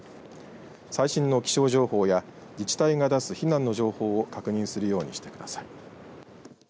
最新の気象情報や自治体が出す避難の情報を確認するようにしてください。